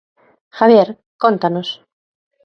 Javier, cóntanos.